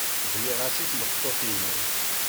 Briɣ-as i tmeṭṭut-inu.